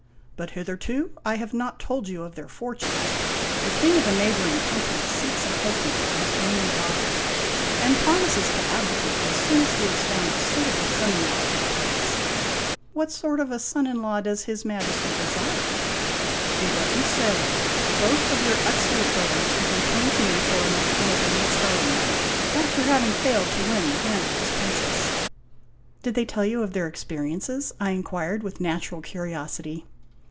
" But hitherto I have not told you of their fortunes. The King of a neighboring country seeks a husband for his only daughter, and promises to abdicate as soon as he has found a suitable son in law for the place." "What sort of a son in law does his Majesty desire?" 112 IMAGINOTIONS " He does n't say. Both of your excellent brothers have re turned to me for enough to make a new start in life, after having failed to win the hand of this princess." " Did they tell you of their experiences ?" I inquired with natu ral curiosity.